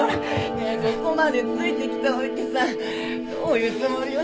ねえここまでついてきておいてさどういうつもりよ。